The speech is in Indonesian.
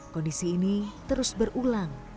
kondisi ini terus berulang